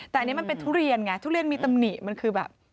แต่อันนี้มันเป็นทุเรียนไงทุเรียนมีตำหนิมันคือแบบ